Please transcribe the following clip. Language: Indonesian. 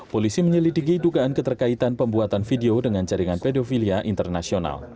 polisi menyelidiki dugaan keterkaitan pembuatan video dengan jaringan pedofilia internasional